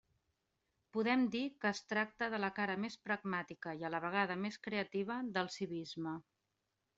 Podem dir que es tracta de la cara més pragmàtica i a la vegada més creativa del civisme.